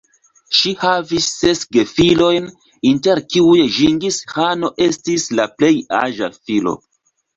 Ŝi havis ses gefilojn, inter kiuj Ĝingis-Ĥano estis la plej aĝa filo.